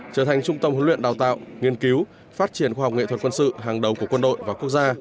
trở thành trung tâm huấn luyện đào tạo nghiên cứu phát triển khoa học nghệ thuật quân sự hàng đầu của quân đội và quốc gia